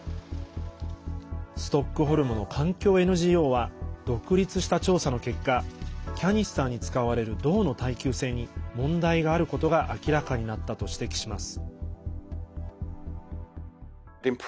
ストックホルムの環境ＮＧＯは独立した調査の結果キャニスターに使われる銅の耐久性に問題があることが明らかになったと指摘します。